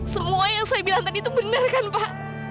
semua yang saya bilang tadi itu benar kan pak